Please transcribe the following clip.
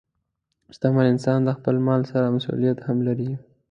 شتمن انسان د خپل مال سره مسؤلیت هم لري.